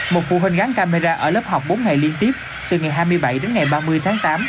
một phụ huynh gắn camera ở lớp học bốn ngày liên tiếp từ ngày hai mươi bảy đến ngày ba mươi tháng tám